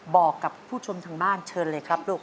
บอกกับผู้ชมทางบ้านเชิญเลยครับลูก